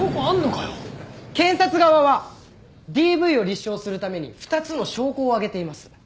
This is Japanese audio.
検察側はＤＶを立証するために２つの証拠を挙げています。